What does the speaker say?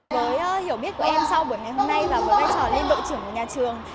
với hiểu biết của em sau buổi ngày hôm nay và với vai trò lên đội trưởng của nhà trường